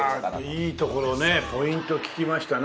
ああいいところねポイント聞きましたね。